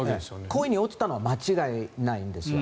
恋に落ちたのは間違いないんですよ。